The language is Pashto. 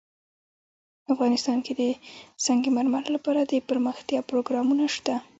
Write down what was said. افغانستان کې د سنگ مرمر لپاره دپرمختیا پروګرامونه شته.